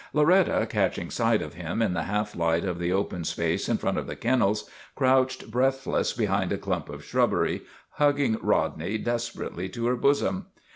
Loretta, catching sight of him in the half light of the open space in front of the kennels, crouched breathless behind a clump of shrubbery, hugging Rodney desperately to her bosom.